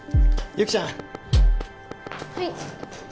はい。